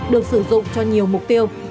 được sử dụng cho nhiều mục tiêu